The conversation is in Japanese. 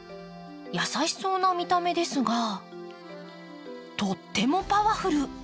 優しそうな見た目ですがとってもパワフル。